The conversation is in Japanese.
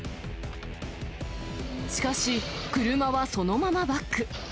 しかし、車はそのままバック。